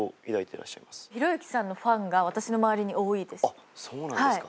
あっそうなんですか。